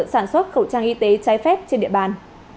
sản xuất khẩu trang y tế trái phép trên địa bàn